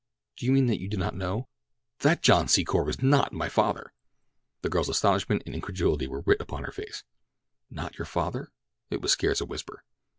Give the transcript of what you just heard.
"Do you mean that you do not know—that John Secor was not my father?" The girl's astonishment and incredulity were writ plain upon her face. "Not your father?" It was scarce a whisper.